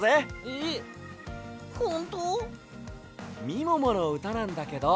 みもものうたなんだけど。